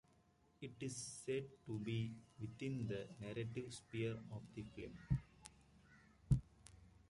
It is said to be within the narrative sphere of the film.